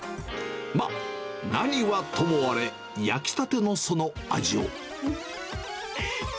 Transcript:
まあ、何はともあれ焼きたてのその味を。